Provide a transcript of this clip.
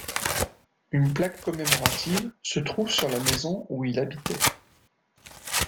Une plaque commémorative se trouve sur la maison où il habitait.